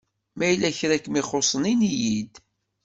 Ma yella kra i kem-ixuṣsen ini-yi-d!